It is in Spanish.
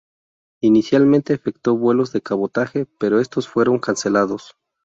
Inicialmente efectuó vuelos de cabotaje, pero estos fueron cancelados.